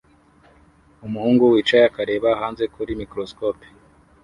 Umuhungu wicaye akareba hanze kuri microscope